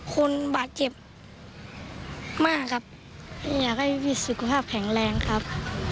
คนบาดเจ็บมากครับอยากให้พี่สุขภาพแข็งแรงครับ